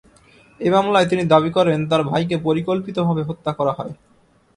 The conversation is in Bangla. এ মামলায় তিনি দাবি করেন, তাঁর ভাইকে পরিকল্পিতভাবে হত্যা করা হয়।